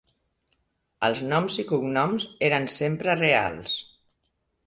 Els noms i cognoms eren sempre reals.